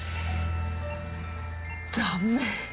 ダメ。